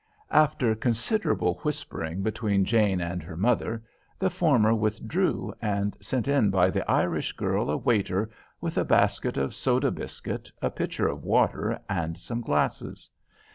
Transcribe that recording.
After considerable whispering between Jane and her mother, the former withdrew, and sent in by the Irish girl a waiter with a basket of soda biscuit, a pitcher of water, and some glasses.